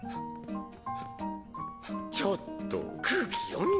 ちょっと空気読みなさいよ。